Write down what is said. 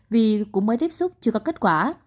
vì cũng mới tiếp xúc chưa có kết quả